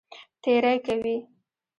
تېری کوي.